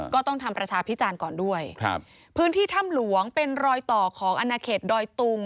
ก็ต้องทำประชาพิจารณ์ก่อนด้วยครับพื้นที่ถ้ำหลวงเป็นรอยต่อของอนาเขตดอยตุง